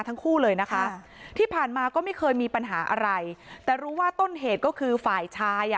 ทั้งคู่เลยนะคะที่ผ่านมาก็ไม่เคยมีปัญหาอะไรแต่รู้ว่าต้นเหตุก็คือฝ่ายชายอ่ะ